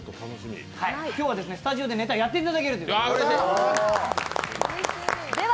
今日はスタジオでネタをやっていただけるということで。